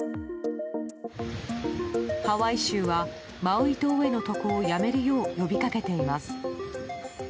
ハワイ州は、マウイ島への渡航をやめるよう呼びかけています。